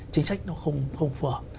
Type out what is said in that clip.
chính sách nó không phở